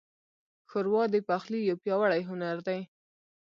ښوروا د پخلي یو پیاوړی هنر دی.